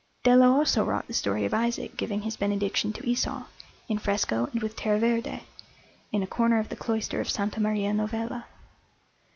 Dello also wrought the story of Isaac giving his benediction to Esau, in fresco and with terra verde, in a corner of the cloister of S. Maria Novella.